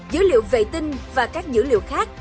dữ liệu vệ tinh và các dữ liệu khác